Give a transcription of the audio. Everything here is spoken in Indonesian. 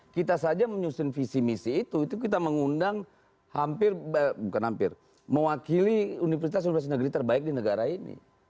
kita saja menyusun visi misi itu itu kita mengundang hampir bukan hampir mewakili universitas universitas negeri terbaik di negara ini